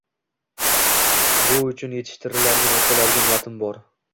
Bu uchun eshittiriladigan, o‘qiladigan matn bor.